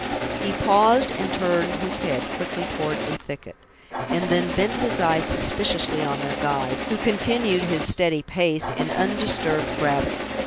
He paused and turned his head quickly toward a thicket, and then bent his eyes suspiciously on their guide, who continued his steady pace, in undisturbed gravity.